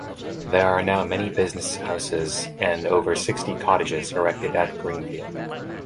There are now many business houses and over sixty cottages erected at Greenfield.